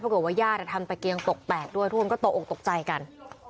กับว่าญาติทำตะเกียงตกแตกด้วยทุกคนก็ตกออกตกใจกัน